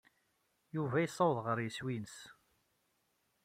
Yuba yessaweḍ ɣer yeswi-nnes.